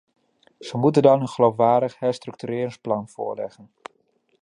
Ze moeten dan een geloofwaardig herstructureringsplan voorleggen.